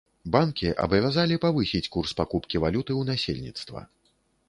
Банкі абавязалі павысіць курс пакупкі валюты ў насельніцтва.